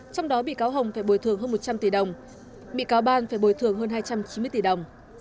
trong đó bị cáo hồng phải bồi thường hơn một trăm linh tỷ đồng bị cáo ban phải bồi thường hơn hai trăm chín mươi tỷ đồng